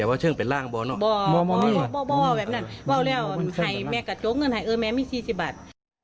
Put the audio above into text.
แต่ว่าเชิงเป็นร่างแบบนั้นว่าแล้วให้แม่กระจกเงินให้เออแม่มี๔๐บาท